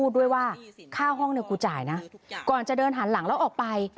ด้วยว่าค่าห้องเนี่ยกูจ่ายนะก่อนจะเดินหันหลังแล้วออกไป